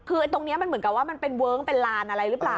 คือตรงนี้มันเหมือนกับว่ามันเป็นเวิ้งเป็นลานอะไรหรือเปล่า